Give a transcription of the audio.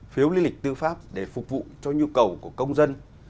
phiếu lý lịch tư pháp để phục vụ cho nhu cầu của công dân